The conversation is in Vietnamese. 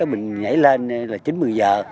mình nhảy lên là chín một mươi giờ